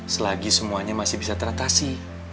selagi semuanya masih bisa teratasi